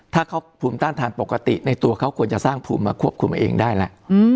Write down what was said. ถ้าเขาภูมิต้านทานปกติในตัวเขาควรจะสร้างภูมิมาควบคุมมาเองได้แล้ว